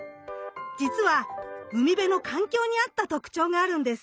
じつは海辺の環境に合った特徴があるんです。